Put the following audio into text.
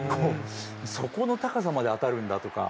そこの高さまで当たるんだとか